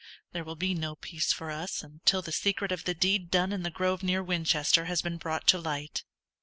"There will be no peace for us until the secret of the deed done in the grove near Winchester has been brought to light."